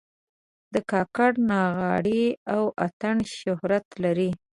د کاکړ نغارې او اتڼ شهرت لري.